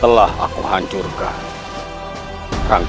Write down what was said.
ajihan ini sirewangi